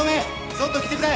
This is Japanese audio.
ちょっと来てくれ！